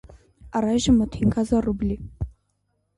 - Առայժմ մոտ հինգ հազար ռուբլու: